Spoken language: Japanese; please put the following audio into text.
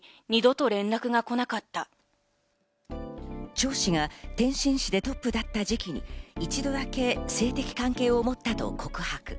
チョウ氏が天津市でトップだった時期に一度だけ性的関係を持ったと告白。